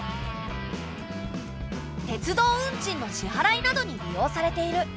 鉄道運賃の支払いなどに利用されている。